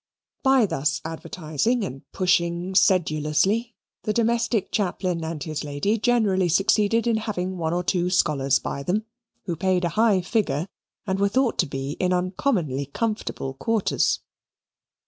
By thus advertising and pushing sedulously, the domestic Chaplain and his Lady generally succeeded in having one or two scholars by them who paid a high figure and were thought to be in uncommonly comfortable quarters.